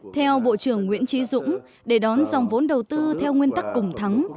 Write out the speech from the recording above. theo bộ trưởng nguyễn trí dũng để đón dòng vốn đầu tư theo nguyên tắc cùng thắng